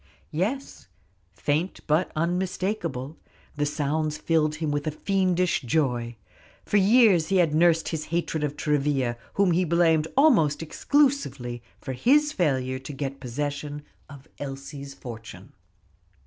Yes, faint but unmistakable; the sounds filled him with a fiendish joy. For years he had nursed his hatred of Travilla, whom he blamed almost exclusively for his failure to get possession of Elsie's fortune.